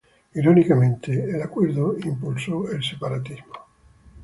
Irónicamente, el acuerdo impulsó el separatismo.